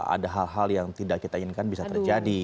ada hal hal yang tidak kita inginkan bisa terjadi